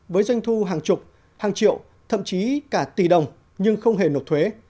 với doanh thu hàng chục hàng triệu thậm chí cả tỷ đồng nhưng không hề nộp thuế